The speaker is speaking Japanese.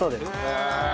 へえ！